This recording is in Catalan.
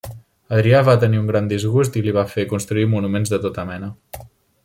Adrià va tenir un gran disgust i li va fer construir monuments de tota mena.